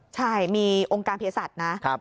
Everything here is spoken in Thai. ใช่มีองค์การเพียสัตว์นะครับ